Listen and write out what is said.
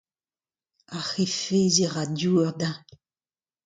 Ar c'hefaeziñ a ra diouer dezhañ.